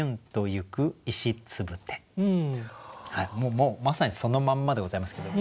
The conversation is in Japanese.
もうまさにそのまんまでございますけども。